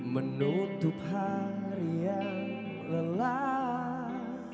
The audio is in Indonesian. menutup hari yang lelah